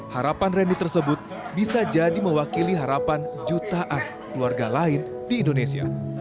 harapan reni tersebut bisa jadi mewakili harapan jutaan keluarga lain di indonesia